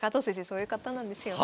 そういう方なんですよ。